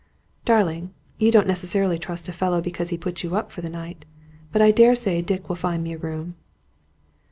"Darling, you don't necessarily trust a fellow because he puts you up for the night. But I daresay Dick will find me a room."